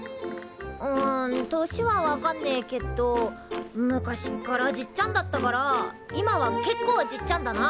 ん年は分かんねえけっど昔っからじっちゃんだったから今は結構じっちゃんだな。